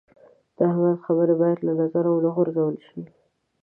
د احمد خبرې باید له نظره و نه غورځول شي.